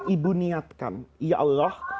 ibu niatkan ya allah